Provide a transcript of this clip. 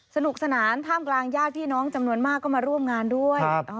สนุกสนานท่ามกลางญาติพี่น้องจำนวนมากก็มาร่วมงานด้วย